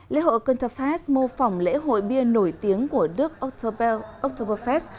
lễ hội cunterfest mô phỏng lễ hội bia nổi tiếng của đức oktoberfest